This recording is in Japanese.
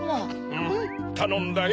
うんたのんだよ。